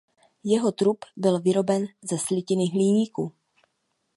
Jeho trup byl vyroben ze slitin hliníku.